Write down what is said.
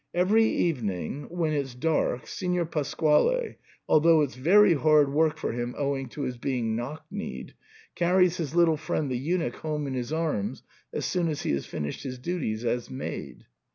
Every evening when it's dark Signor Pasquale, although it's very hard work for him owing to his being knock kneed, carries his little friend the eunuch home in his arms, as soon as he has finished his duties as maid.